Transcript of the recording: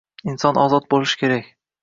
Inson ozod bo'lish kerak.